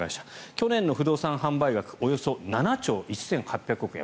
去年の不動産販売額およそ７兆１８００億円